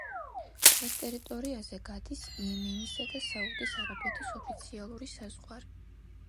მის ტერიტორიაზე გადის იემენისა და საუდის არაბეთის ოფიციალური საზღვარი.